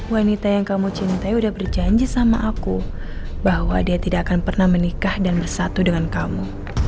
wanita yang kamu cintai sudah berjanji sama aku bahwa dia tidak akan pernah menikah dan bersatu dengan kamu